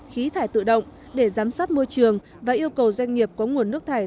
khí thải tự động để giám sát môi trường và yêu cầu doanh nghiệp có nguồn nước thải